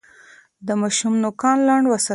د ماشوم نوکان لنډ وساتئ.